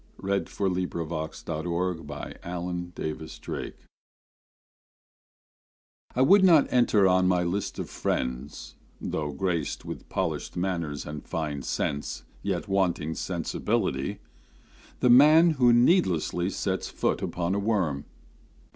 152556Care for the LowestWilliam Cowper I would not enter on my list of friends (Though graced with polished manners and fine sense, Yet wanting sensibility) the man Who needlessly sets foot upon a worm.